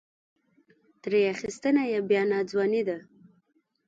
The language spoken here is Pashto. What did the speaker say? ترې اخیستنه یې بیا ناځواني ده.